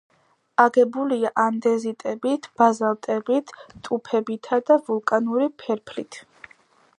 აგებულია ანდეზიტებით, ბაზალტებით, ტუფებითა და ვულკანური ფერფლით.